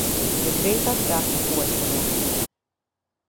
Të drejtat e aplikuesëve.